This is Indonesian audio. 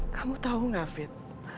kamu tau gak fit